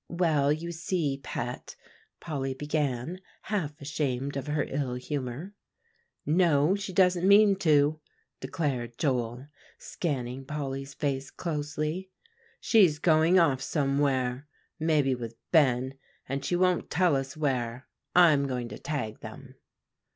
"Well, you see, pet," Polly began, half ashamed of her ill humor. "No, she doesn't mean to," declared Joel, scanning Polly's face closely; "she's going off somewhere, maybe with Ben, and she won't tell us where. I'm going to tag them."